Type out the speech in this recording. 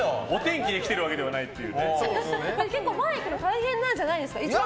結構前に行くの大変なんじゃないですか？